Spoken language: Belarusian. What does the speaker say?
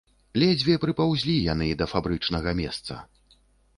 Ледзьве прыпаўзлі яны да фабрычнага месца.